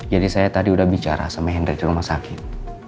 jadi saya tadi udah bicara sama hendry di rumah sakit